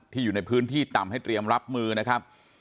อยู่ในพื้นที่ต่ำให้เตรียมรับมือนะครับ